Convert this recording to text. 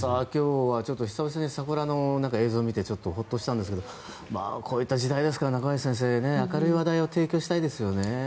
今日はちょっと久々に桜の映像を見てちょっとホッとしたんですがこういった時代ですから中林先生、明るい話題を提供したいですね。